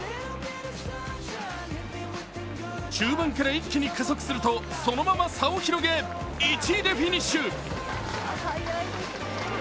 中盤から一気に加速するとそのまま差を広げ１位でフィニッシュ。